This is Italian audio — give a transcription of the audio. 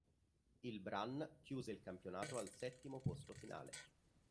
Il Brann chiuse il campionato al settimo posto finale.